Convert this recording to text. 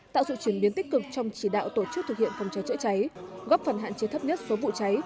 tạo sự chuyển biến tích cực trong chỉ đạo tổ chức thực hiện phòng cháy chữa cháy góp phần hạn chế thấp nhất số vụ cháy